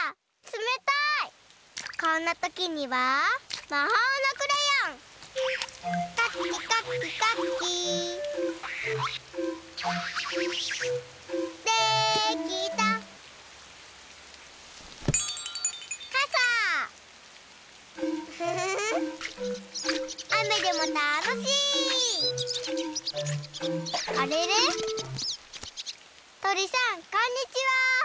とりさんこんにちは！